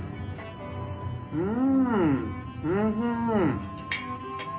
うん！